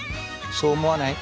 そう思わない？